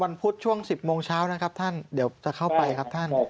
พุธช่วง๑๐โมงเช้านะครับท่านเดี๋ยวจะเข้าไปครับท่าน